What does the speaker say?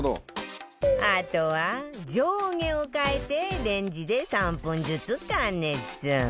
あとは上下を替えてレンジで３分ずつ加熱